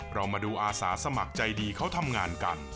เรามาดูอาสาสมัครใจดีเขาทำงานกัน